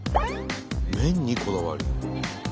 麺にこだわる。